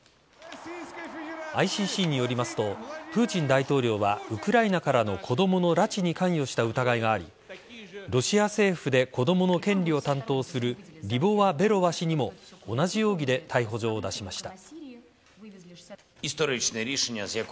ＩＣＣによりますとプーチン大統領はウクライナからの子供の拉致に関与した疑いがありロシア政府で子供の権利を担当するリボワ・ベロワ氏にも同じ容疑で逮捕状を出しました。